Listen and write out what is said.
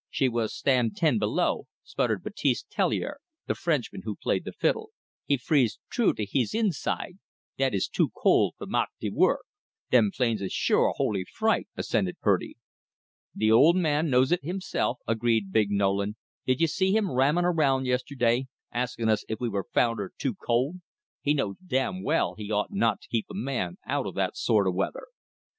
"She was stan' ten below," sputtered Baptiste Tellier, the Frenchman who played the fiddle. "He freeze t'rou to hees eenside. Dat is too cole for mak de work." "Them plains is sure a holy fright," assented Purdy. "Th' old man knows it himself," agreed big Nolan; "did you see him rammin' around yesterday askin' us if we found her too cold? He knows damn well he ought not to keep a man out that sort o' weather."